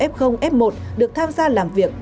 f f một được tham gia làm việc